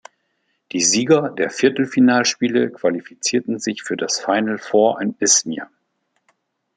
Die Sieger der Viertelfinalspiele qualifizierten sich für das Final Four in Izmir.